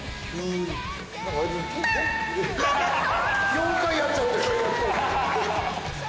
４回やっちゃったよ。